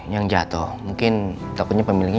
yang jatuh mungkin takutnya pemilin ini